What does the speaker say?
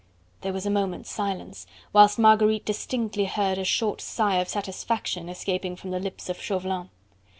There was a moment's silence, whilst Marguerite distinctly heard a short sigh of satisfaction escaping from the lips of Chauvelin.